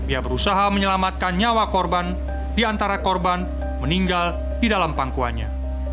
ia berusaha menyelamatkan nyawa korban di antara korban meninggal di dalam pangkuannya